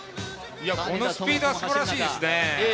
このスピードはすばらしいですね。